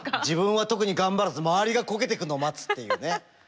自分は特に頑張らず周りがこけてくのを待つっていうね。